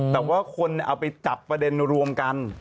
แต่ว่าคนเอาไปจับประเด็นรวมกัน